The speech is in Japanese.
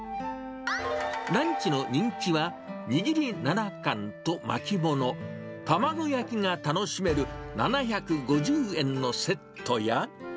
ランチの人気は、握り７貫と巻き物、卵焼きが楽しめる７５０円のセットや。